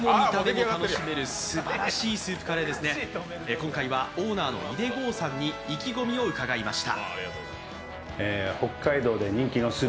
今回はオーナーの井手剛さんに意気込みを伺いました。